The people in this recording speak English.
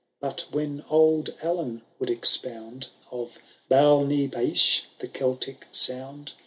But when old Allan would expound Of Beal na paish^ the Celtic sound.